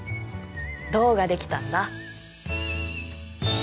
銅ができたんだ。